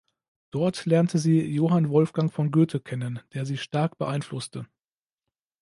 Dort lernte sie Johann Wolfgang von Goethe kennen, der sie stark beeinflusste.